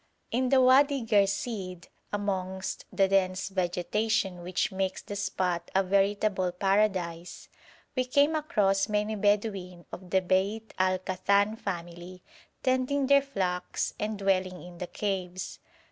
In the Wadi Ghersìd, amongst the dense vegetation which makes the spot a veritable paradise, we came across many Bedouin of the Beit al Kathan family tending their flocks and dwelling in the caves.